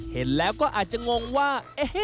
เห็นแล้วก็อาจจะงงว่า